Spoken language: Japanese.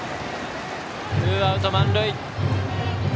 ツーアウト、満塁。